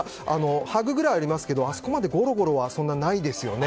ハグぐらいありますけどあそこまでゴロゴロはありませんよね。